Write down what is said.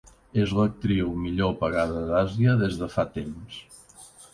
És l'actriu millor pagada d'Àsia des de fa temps.